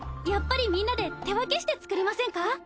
やっぱりみんなで手分けして作りませんか？